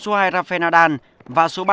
số hai rafael nadal và số ba